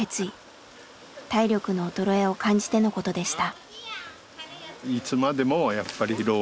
体力の衰えを感じてのことでした。